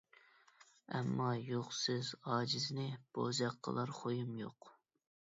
ئەمما يوقسىز ئاجىزنى ،بوزەك قىلار خۇيۇم يوق.